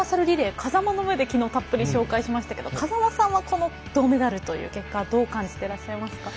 風間の目で、たっぷり紹介しましたが風間さんはこの銅メダルの結果はどう感じてらっしゃいますか？